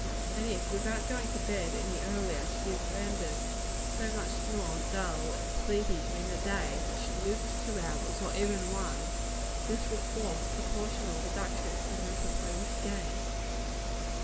And if without going to bed any earlier, she is rendered so much more dull or sleepy during the day, that she loses two hours, or even one, this will form a proportional deduction from her supposed gain.